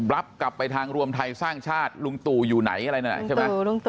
รับกลับไปทางรวมไทยสร้างชาติลุงตู่อยู่ไหนอะไรนะใช่ไหม